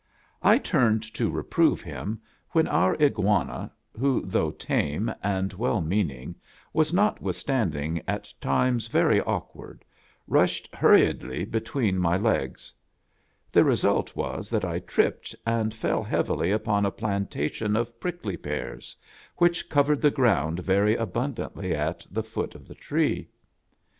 I turned to reprove him, when our Iguana, who, though tame and well meaning, was notwithstanding at times very awkward, rushed hurriedly between my legs. The result was that I tripped and fell heavily upon a plantation of prickly pears, which covered the ground very abundantly at the foot of the tree.